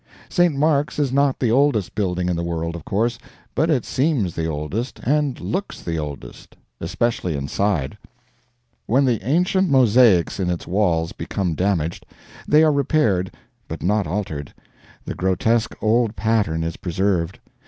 St. Mark's is not the oldest building in the world, of course, but it seems the oldest, and looks the oldest especially inside. When the ancient mosaics in its walls become damaged, they are repaired but not altered; the grotesque old pattern is preserved.